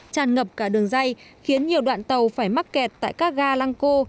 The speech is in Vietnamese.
tràn ngập cả đường dây khiến nhiều đoạn tàu phải mắc kẹt tại các ga lăng cô